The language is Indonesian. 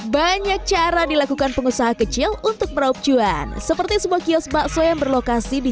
banyak cara dilakukan pengusaha kecil untuk meraup cuan seperti sebuah kios bakso yang berlokasi di